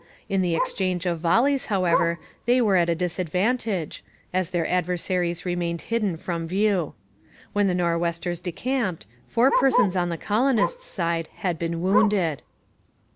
In the exchange of volleys, however, they were at a disadvantage, as their adversaries remained hidden from view. When the Nor'westers decamped, four persons on the colonists' side had been wounded.